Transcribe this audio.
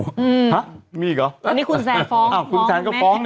ฮะมีอีกหรอคุณแซนก็ฟ้องเนี่ยนะวันนี้คุณแซนฟ้อง